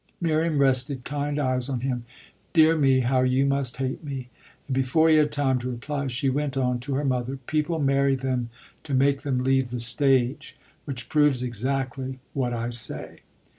Miriam rested kind eyes on him. "Dear me, how you must hate me!" And before he had time to reply she went on to her mother: "People marry them to make them leave the stage; which proves exactly what I say."